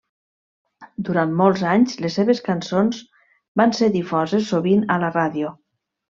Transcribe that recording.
Durant molts anys, les seves cançons van ser difoses sovint a la ràdio.